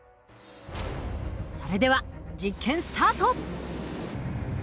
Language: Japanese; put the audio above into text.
それでは実験スタート！